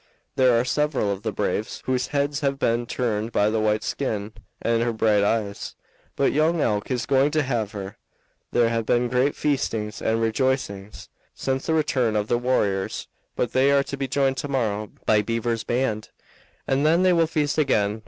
There are several of the braves whose heads have been turned by the white skin and her bright eyes, but Young Elk is going to have her. There have been great feastings and rejoicings since the return of the warriors, but they are to be joined tomorrow by Beaver's band, and then they will feast again.